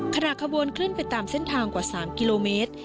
ขณะขบวนขึ้นไปตามเส้นทางกว่า๓กิโลเมตร